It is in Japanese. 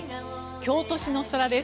京都市の空です。